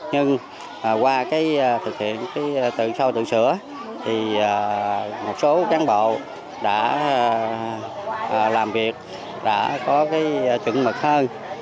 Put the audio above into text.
nhưng qua cái thực hiện tự soi tự sửa thì một số cán bộ đã làm việc đã có cái chuẩn mật hơn